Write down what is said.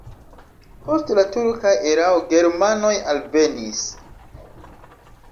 Post la turka erao germanoj alvenis.